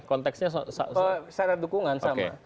konteksnya secara dukungan sama